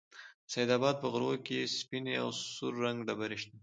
د سيدآباد په غرو كې سپينې او سور رنگه ډبرې شته